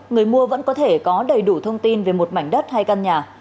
người mua vẫn có thể có đầy đủ thông tin về một mảnh đất hay căn nhà